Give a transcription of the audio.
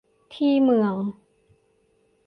ที่เมือง